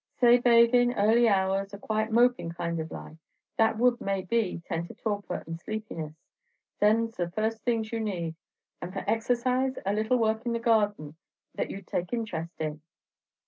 Say bathin', early hours, a quiet mopin' kind of life, that would, maybe, tend to torpor and sleepiness, them's the first things you need; and for exercise, a little work in the garden that you 'd take interest in."